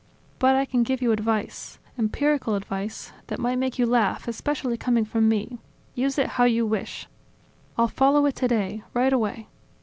But I can give you advice ... empirical advice, that might make you laugh, especially coming from me ... Use it how you wish." "I'll follow it today, right away."